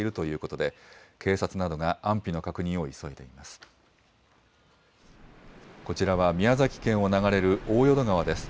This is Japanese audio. こちらは宮崎県を流れる大淀川です。